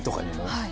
はい。